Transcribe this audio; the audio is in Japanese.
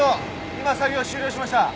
今作業終了しました。